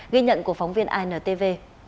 ghi nhận của phóng viên intv